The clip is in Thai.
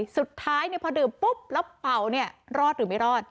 สุดท้ายพอดื่มปุ๊บแล้วเป่ารอดหรือไม่รอด